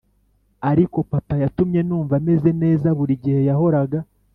ariko papa yatumye numva meze neza, burigihe yahoraga.